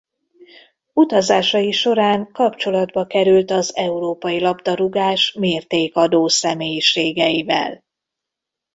Utazásai során kapcsolatba került az európai labdarúgás mértékadó személyiségeivel.